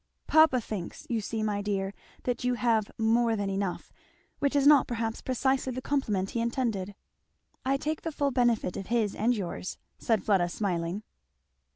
"Papa thinks, you see, my dear, that you have more than enough which is not perhaps precisely the compliment he intended." "I take the full benefit of his and yours," said Fleda smiling.